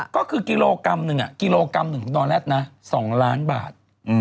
ก็คือกิโลกรัมหนึ่งนอลลัด๒ล้านบาท